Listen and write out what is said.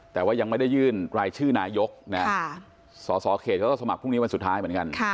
แต่ว่ายังไม่ได้ยื่นรายชื่อนายกนะสสเขตเขาก็สมัครพรุ่งนี้วันสุดท้ายเหมือนกัน